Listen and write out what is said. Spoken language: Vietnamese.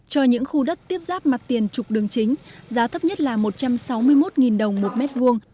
cho những khu đất tiếp giáp mặt tiền trục đường chính giá thấp nhất là một trăm sáu mươi một đồng một mét vuông